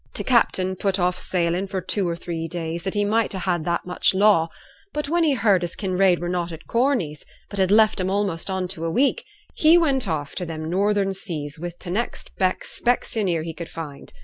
T' captain put off sailing for two or three days, that he might ha' that much law; but when he heard as Kinraid were not at Corneys', but had left 'em a'most on to a week, he went off to them Northern seas wi' t' next best specksioneer he could find.